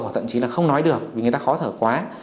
hoặc thậm chí là không nói được vì người ta khó thở quá